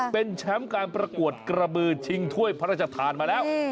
เป็นแชมป์การประกวดกระบือชิงถ้วยพระราชทานมาแล้ว